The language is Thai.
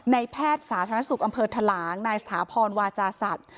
ในแพทย์สาธารณสุขอำเภอทะลางในสถาพรวาจาศัตริย์